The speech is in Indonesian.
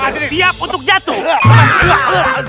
siap untuk jatuh